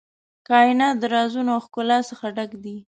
کائنات د رازونو او ښکلا څخه ډک دی.